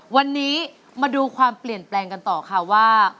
วันนี้มาดูความเปลี่ยนแปลงกันต่อค่ะว่า